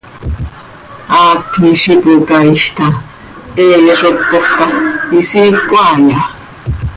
Haacni z ipocaaij ta, hee zo cöpoofp ta ¿isiicö haaya?